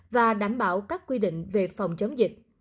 và đảm bảo các quy định về phòng chống dịch